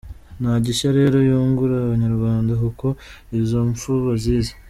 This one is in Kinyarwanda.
Nta gishya rero yungura abanyarwanda, kuko izo mpfu bazizi.